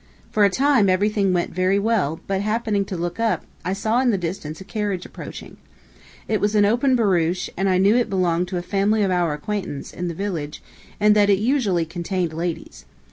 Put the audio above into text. For a time, everything went very well, but happening to look up, I saw in the distance a carriage approaching. It was an open barouche, and I knew it belonged to a family of our acquaintance, in the village, and that it usually contained ladies.